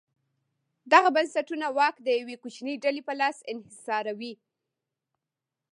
دغه بنسټونه واک د یوې کوچنۍ ډلې په لاس انحصاروي.